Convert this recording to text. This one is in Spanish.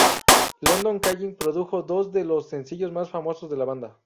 London Calling produjo dos de los sencillos más famosos de la banda.